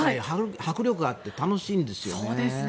迫力があって楽しいんですよね。